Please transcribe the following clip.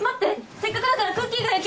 せっかくだからクッキーが焼け。